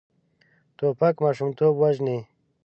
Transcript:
توپک ماشومتوب وژني.